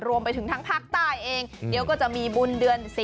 รวมไปถึงทั้งภาคใต้เองเดี๋ยวก็จะมีบุญเดือน๔